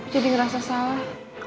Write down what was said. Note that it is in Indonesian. jadi ngerasa salah